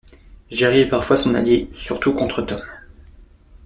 Jerry est parfois son allié, surtout contre Tom.